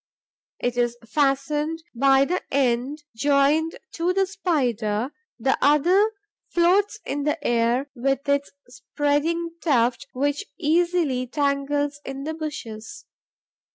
It is fastened by the end joined to the Spider; the other floats in the air, with its spreading tuft, which easily tangles in the bushes.